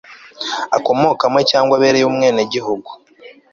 akomokamo cyangwa abereye umwenegihugu